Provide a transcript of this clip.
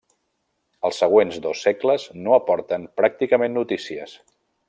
Els següents dos segles no aporten pràcticament notícies.